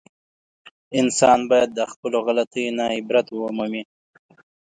انسان باید له خپلو غلطیو نه عبرت و مومي.